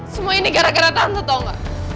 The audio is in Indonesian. semua ini gara gara tante tau gak